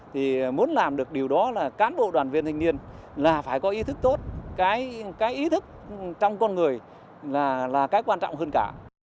thì muốn làm được điều đó là cán bộ đoàn viên thanh niên là phải có ý thức tốt cái ý thức trong con người là cái quan trọng hơn cả